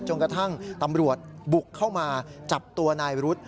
จนกระทั่งตำรวจบุกเข้ามาจับตัวนายรุธ